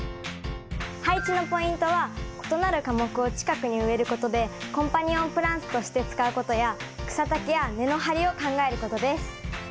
配置のポイントは異なる科目を近くに植えることでコンパニオンプランツとして使うことや草丈や根の張りを考えることです。